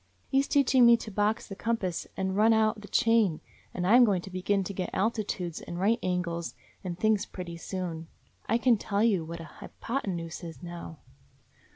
He 's teaching me to box the compass and run out the chain, and I 'm going to begin to get altitudes and right angles and things pretty soon. I can tell you what a hypotenuse is now."